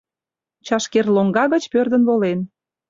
Чашкер лоҥга гыч пӧрдын волен...